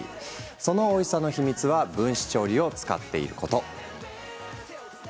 そのおいしさの秘密は分子調理を使っていること。